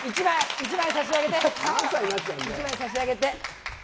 １枚差し上げて。